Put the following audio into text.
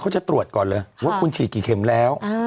จะตรวจก่อนเลยว่าคุณฉีดกี่เข็มแล้ว